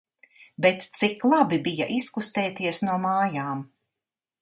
Bet cik labi bija izkustēties no mājām!